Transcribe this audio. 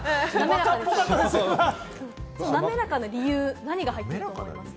なめらかな理由、何が入っていると思います。